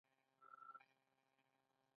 زیتون څنګه غوړي ورکوي؟